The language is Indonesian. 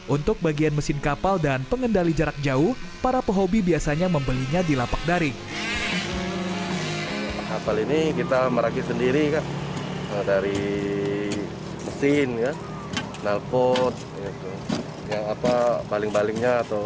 untuk bagian mesin kapal dan pengendali jarak jauh para pehobi biasanya membelinya di lapak daring